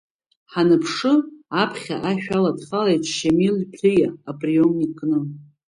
Ҳанԥшы, аԥхьа ашә ала дхалеит Шамил Ԥлиа априомник кны.